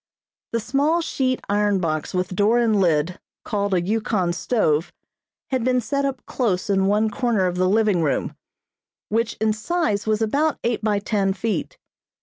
The small sheet iron box with door and lid, called a Yukon stove, had been set up close in one corner of the living room, which in size was about eight by ten feet.